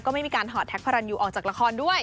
ไม่มีการถอดแท็กพระรันยูออกจากละครด้วย